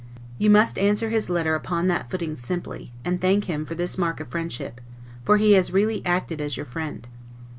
You must answer his letter upon that footing simply, and thank him for this mark of his friendship, for he has really acted as your friend.